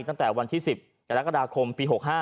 ตั้งแต่วันที่๑๐ศพปี๖๕